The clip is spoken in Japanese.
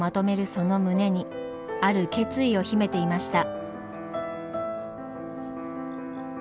その胸にある決意を秘めていました。